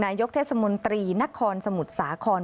นายกเทศมนตรีนครสมุทรสาคร